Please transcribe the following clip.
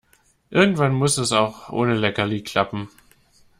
Irgendwann muss es auch ohne Leckerli klappen.